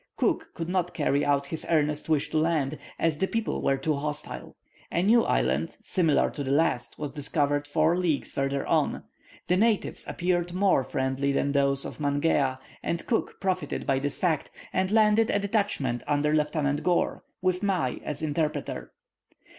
Cook could not carry out his earnest wish to land, as the people were too hostile. A new island, similar to the last, was discovered four leagues further on. The natives appeared more friendly than those of Mangea, and Cook profited by this fact, and landed a detachment under Lieutenant Gore, with Mai as interpreter.